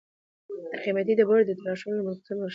د قیمتي ډبرو د تراشلو مرکزونه په بدخشان کې شته.